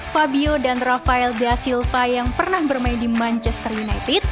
fabio dan rafael da silva yang pernah bermain di manchester united